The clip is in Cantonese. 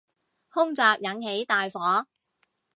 空襲引起大火